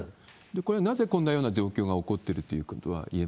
これ、なぜこんなような状況が起こっているということがいえ